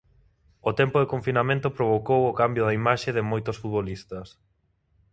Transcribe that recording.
O tempo de confinamento provocou o cambio de imaxe de moitos futbolistas.